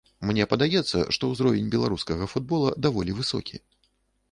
Мне падаецца, што ўзровень беларускага футбола даволі высокі.